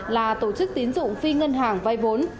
là tổ chức tín dụng phi ngân hàng vay vốn